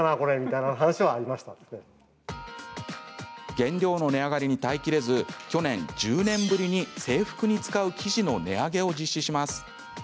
原料の値上がりに耐えきれず去年、１０年ぶりに制服に使う生地の値上げを実施します。